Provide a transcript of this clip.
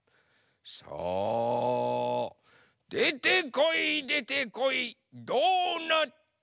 さあでてこいでてこいドーナツ！